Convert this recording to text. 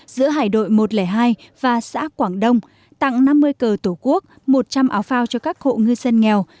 giữa hải đội một trăm linh hai và xã quảng đông tặng năm mươi cờ tổ quốc một trăm linh áo phao cho các hộ ngư dân nghèo